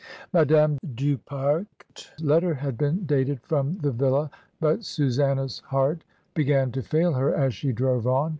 Madame du Fare's letter had been dated from the villa, but Susanna's heart began to fail her as she drove on.